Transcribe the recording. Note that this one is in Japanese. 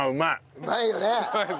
うまいよね。